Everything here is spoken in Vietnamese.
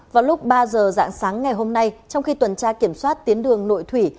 vào lúc ba h dạng sáng ngày hôm nay trong khi tuần tra kiểm soát tiến đường nội thủy